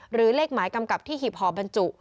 หรือเลขหมายกำกับที่หีบห่อบรรจุ